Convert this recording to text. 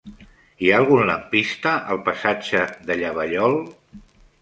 Hi ha algun lampista al passatge de Llavallol?